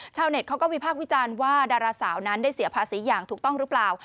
เน็ตเขาก็วิพากษ์วิจารณ์ว่าดาราสาวนั้นได้เสียภาษีอย่างถูกต้องหรือเปล่า